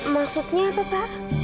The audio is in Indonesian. maksudnya apa pak